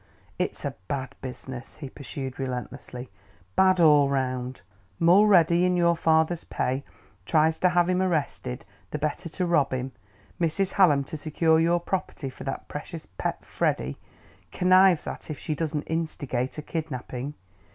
"It's a bad business," he pursued relentlessly: "bad all round. Mulready, in your father's pay, tries to have him arrested, the better to rob him. Mrs. Hallam, to secure your property for that precious pet, Freddie, connives at, if she doesn't instigate, a kidnapping.